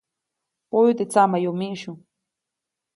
Poyu teʼ tsaʼmayomiʼsyu.